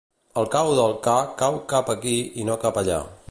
El cau del ca cau cap aquí i no cap allà.